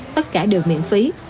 tất cả đều miễn phí